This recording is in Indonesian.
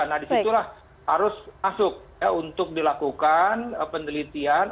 nah disitulah harus masuk untuk dilakukan penelitian